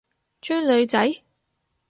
追女仔？